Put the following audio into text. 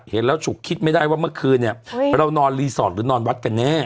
เห็นแล้วฉุกคิดไม่ได้ว่าเมื่อคืนเนี่ยเรานอนรีสอร์ทหรือนอนวัดกันแน่